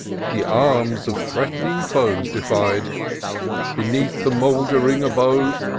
The arms of threat'ning foes defied. Beneath the mouldering abode.